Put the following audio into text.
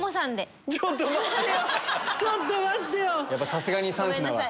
さすがに３品は。